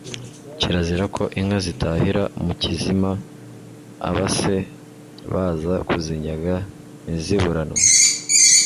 kirazira ko inka zitahira mu kizima, abase baza kuzinyaga ntiziburanwe